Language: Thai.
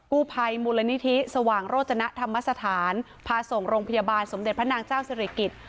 กู้ภัยมูลนิธิสว่างโรจนธรรมสถานพาส่งโรงพยาบาลสมเด็จพระนางเจ้าศิริกิจ